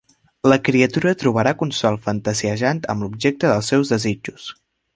La criatura trobarà consol fantasiejant amb l'objecte dels seus desitjos.